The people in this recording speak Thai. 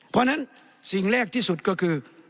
เพราะฉะนั้นสิ่งแรกที่สุดก็คือ